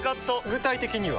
具体的には？